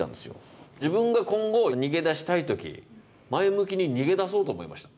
自分が今後逃げ出したい時前向きに逃げ出そうと思いました。